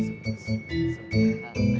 sup sup sup